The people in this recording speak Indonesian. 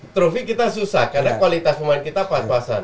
trofi kita susah karena kualitas pemain kita pas pasan